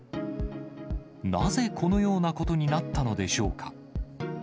なぜこのようなことになったのでしょうか。